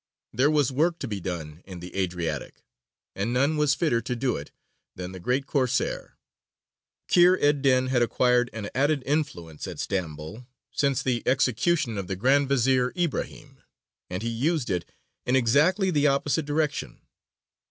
There was work to be done in the Adriatic, and none was fitter to do it than the great Corsair. Kheyr ed dīn had acquired an added influence at Stambol since the execution of the Grand Vezīr Ibrahīm, and he used it in exactly the opposite direction.